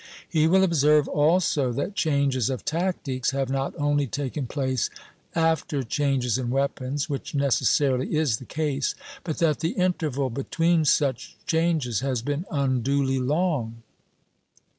He will observe also that changes of tactics have not only taken place after changes in weapons, which necessarily is the case, but that the interval between such changes has been unduly long.